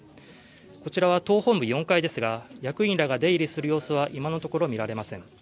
こちらは党本部４階ですが役員らが出入りする様子は今のところ見られません。